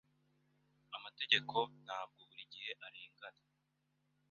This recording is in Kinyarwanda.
Amategeko ntabwo buri gihe arengana.